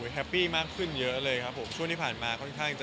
แฮปปี้มากขึ้นเยอะเลยครับผมช่วงที่ผ่านมาค่อนข้างจะ